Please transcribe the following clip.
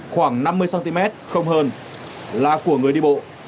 khoảng năm mươi cm không hơn là của người đi bộ